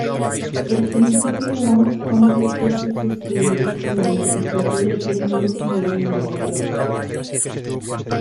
El príncipe Won completó sus estudios en el Instituto de Tecnología de Nueva York.